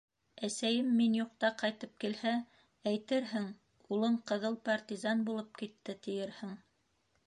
Әсәйем мин юҡта ҡайтып килһә, әйтерһең, улың ҡыҙыл партизан булып китте, тиерһең.